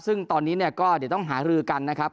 ซึ่งตอนนี้เนี่ยก็เดี๋ยวต้องหารือกันนะครับ